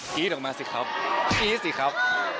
กรี๊ดออกมาสิครับอีดออกมาสิครับ